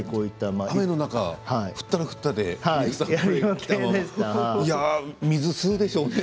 雨の中降ったら降ったで水を吸うでしょうね